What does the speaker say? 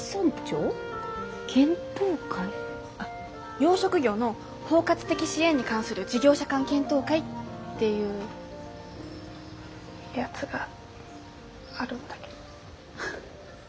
養殖業の包括的支援に関する事業者間検討会っていうやつがあるんだけど。